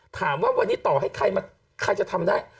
ถามว่าวันนี้ต่อให้ใครมาใครจะทำได้